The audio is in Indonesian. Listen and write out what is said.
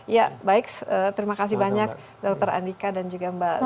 ya baik terima kasih banyak dokter andika dan juga mbak